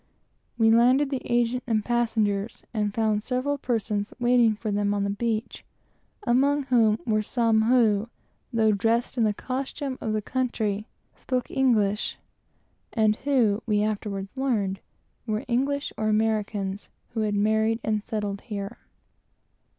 We landed the agent and passengers, and found several persons waiting for them on the beach, among whom were some, who, though dressed in the costume of the country, spoke English; and who, we afterwards learned, were English and Americans who had married and settled in the country.